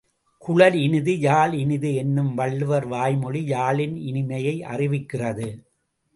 குழலினிது யாழினிது என்னும் வள்ளுவர் வாய்மொழி யாழின் இனிமையை அறிவிக்கிறது.